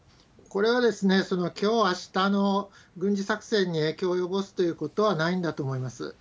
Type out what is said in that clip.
これはきょう、あしたの軍事作戦に影響を及ぼすということはないんだと思います。